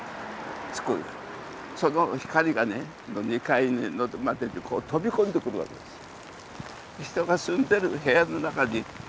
その光がね２階まで飛び込んでくるわけですよ。